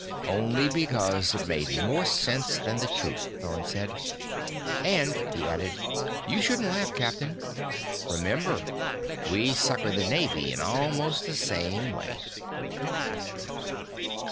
"Only because it made more sense than the truth," Thorn said. "And," he added, "you shouldn't laugh, captain. Remember, we suckered the Navy in almost the same way."